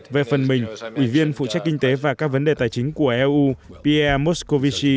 về phần mình ủy viên phụ trách kinh tế và các vấn đề tài chính của eu pierre moscovici